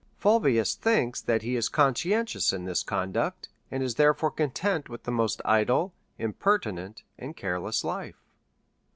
Fulvius thinks that he is conscientious in his con duct, and is therefore content with the most idle, im pertinent, and careless life.